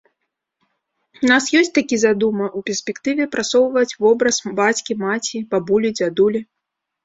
У нас ёсць-такі задума, у перспектыве прасоўваць вобраз бацькі, маці, бабулі, дзядулі.